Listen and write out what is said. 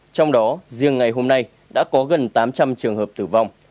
trong đó riêng ngày hôm nay đã có gần tám trăm linh trường hợp tử vong